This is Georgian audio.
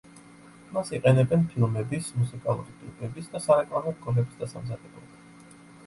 მას იყენებენ ფილმების, მუსიკალური კლიპების და სარეკლამო რგოლების დასამზადებლად.